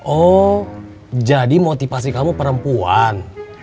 oh jadi motivasi kamu perempuan